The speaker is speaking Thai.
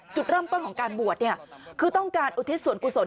จุดเริ่มต้นของการบวชเนี่ยคือต้องการอุทิศส่วนกุศล